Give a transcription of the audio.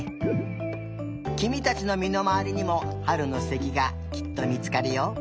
きみたちのみのまわりにもはるのすてきがきっとみつかるよ。